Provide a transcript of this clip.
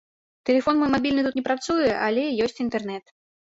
Тэлефон мой мабільны тут не працуе, але ёсць інтэрнэт.